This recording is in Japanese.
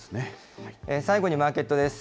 最後にマーケットです。